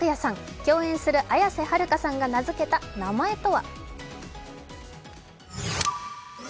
共演する綾瀬はるかさんが名付けた名前とは？